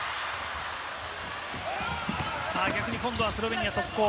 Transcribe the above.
逆に今度はスロベニアの速攻。